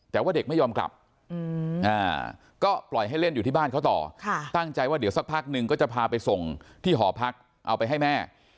แต่ว่าเด็กไม่ยอมกลับก็ปล่อยให้เล่นอยู่ที่บ้านเขาต่อตั้งใจว่าเดี๋ยวสักพักนึงก็จะพาไปส่งที่หอพักเอาไปให้แม่